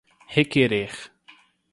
requerer